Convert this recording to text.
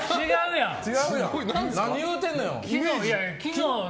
何、言うてるのよ。